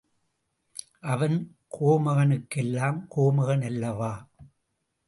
அவன் கோமகனுக்கெல்லாம் கோமகன் அல்லவா?